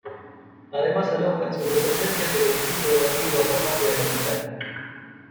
Además, aloja en sus dependencias el edificio de la antigua farmacia del hospital.